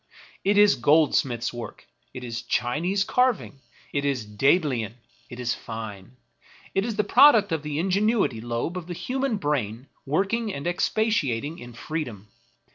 It is goldsmith's work; it is Chinese carving; it is Daedalian ; it is fine. It is the product of the ingenuity lobe of the human brain working and expatiating in free dom.